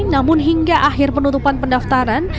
namun hingga akhir penutupan pendaftaran